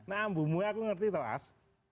tapi kalau bubu aja aku ngerti tuh as